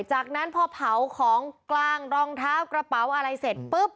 จากนั้นพอเผาของกลางรองเท้ากระเป๋าอะไรเสร็จปุ๊บ